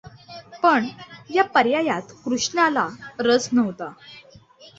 पण या पर्यायात कृष्णाला रस नव्हता!